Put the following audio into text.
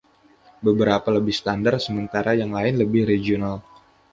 Beberapa lebih standar sementara yang lain lebih regional.